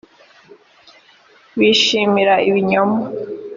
bishimira ibinyoma